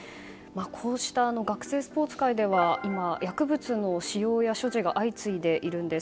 こうした学生スポーツ界では今、薬物の使用や所持が相次いでいます。